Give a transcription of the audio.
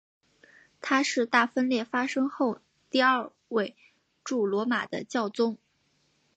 他是大分裂发生后第二位驻罗马的教宗。